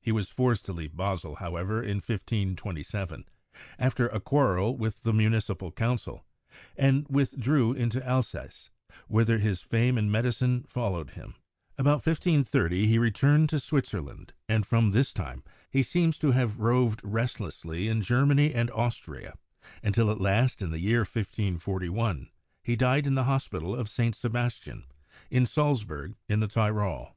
He was forced to leave Basel, however, in 1527, after a quarrel with the Municipal Council, and withdrew into Alsace, whither his fame in medicine followed him. About 1530, he returned to Switzerland, and from this time he seems to have roved restlessly in Germany and Austria, until at last, in the year 1541, he died in the hos pital of St. Sebastian, in Salzburg in the Tyrol.